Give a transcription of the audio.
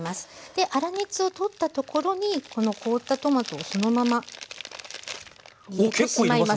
で粗熱を取ったところにこの凍ったトマトをそのまま入れてしまいます。